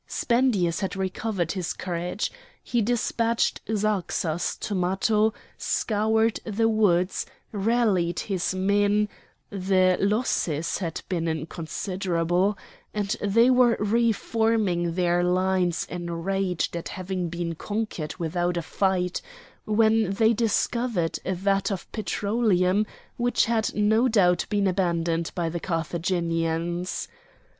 Spendius had recovered his courage. He dispatched Zarxas to Matho, scoured the woods, rallied his men (the losses had been inconsiderable),—and they were re forming their lines enraged at having been conquered without a fight, when they discovered a vat of petroleum which had no doubt been abandoned by the Carthaginians.